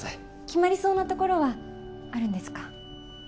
決まりそうな所はあるんですか？